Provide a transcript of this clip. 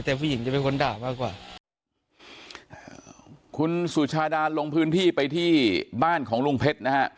แต่ผู้หญิงจะเป็นคนด่ามากกว่าคุณสุชาดานลงพื้นที่ไปที่บ้านของลุงเพชรนะฮะ